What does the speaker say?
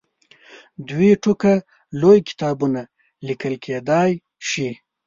دوې ټوکه لوی کتابونه لیکل کېدلای شي.